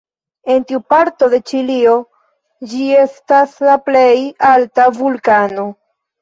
En tiu parto de Ĉilio, ĝi estas la plej alta vulkano.